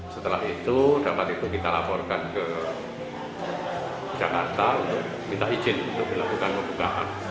setelah itu dapat itu kita laporkan ke jakarta untuk minta izin untuk dilakukan pembukaan